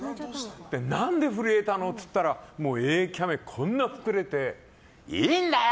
何で震えたの？って言ったらもうＡキャメがこんなに膨れていいんだよ！